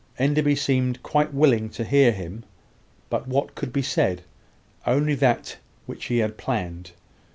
Enderby seemed quite willing to hear him; but what could be said? Only that which he had planned.